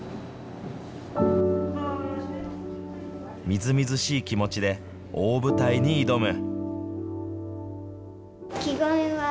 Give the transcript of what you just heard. みずみずしい気持ちで大舞台に挑む。